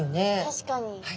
確かに。